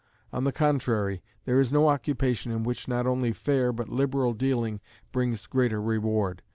On the contrary, there is no occupation in which not only fair but liberal dealing brings greater reward.